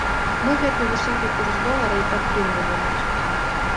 Мы гэты высокі курс долара і падтрымлівалі.